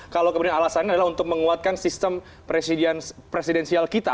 kalau kemudian alasannya adalah untuk menguatkan sistem presidensial kita